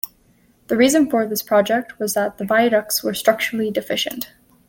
The reason for this project was that the viaducts were structurally deficient.